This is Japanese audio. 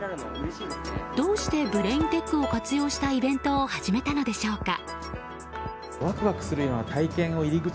どうしてブレインテックを活用したイベントを始めたのでしょうか。